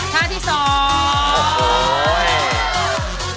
ท่าที่สองโอ้โฮ